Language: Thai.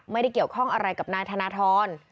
ไม่ได้เกี่ยวข้องอะไรกับนายธนทร